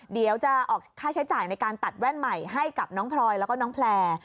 เดี๋ยวจะออกค่าใช้จ่ายในการตัดแว่นใหม่ให้กับน้องพลอยแล้วก็น้องแพลร์